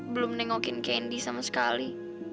belum nengokin kendi sama sekali